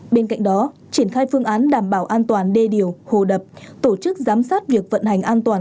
bên cạnh đó triển khai phương án đảm bảo an toàn đê điều hồ đập tổ chức giám sát việc vận hành an toàn